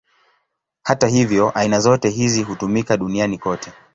Hata hivyo, aina zote hizi hutumika duniani kote.